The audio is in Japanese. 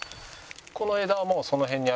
この枝はもうその辺にある。